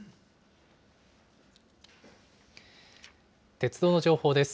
鉄道の情報です。